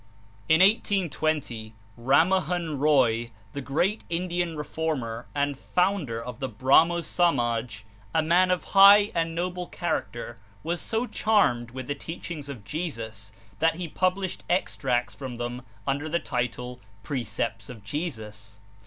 In 1820, Rammohun Roy, the great Indian re former and founder of the Brahmo Somaj, a man of high and noble character, was so charmed with the teachings of Jesus that he published extracts from them under the title ^'Precepts of Jesus."